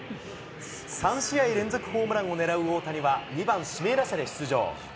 ３試合連続ホームランを狙う大谷は、２番指名打者で出場。